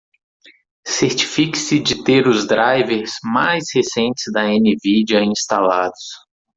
Certifique-se de ter os drivers mais recentes da Nvidia instalados.